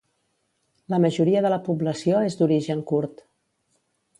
La majoria de la població és d'origen kurd.